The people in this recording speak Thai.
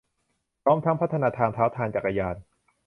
พร้อมทั้งพัฒนาทางเท้า ทางจักรยาน